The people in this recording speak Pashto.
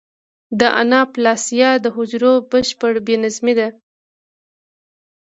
د اناپلاسیا د حجرو بشپړ بې نظمي ده.